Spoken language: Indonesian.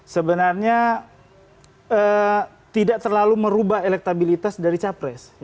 sebenarnya tidak terlalu merubah elektabilitas dari capres